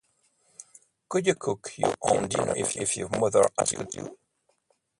Could you cook your own dinner if your mother asked you?